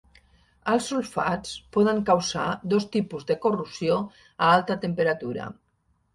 Els sulfats poden causar dos tipus de corrosió a alta temperatura.